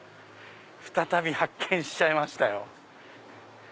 再び発見しちゃいましたよ。